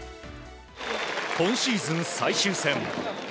今シーズン最終戦。